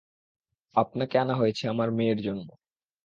আপনাকে আনা হয়েছে আমার মেয়ের জন্যে।